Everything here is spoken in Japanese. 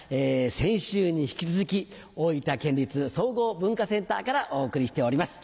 先週に引き続き大分県立総合文化センターからお送りしております。